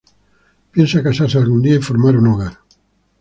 Piensa casarse algún día y formar un hogar.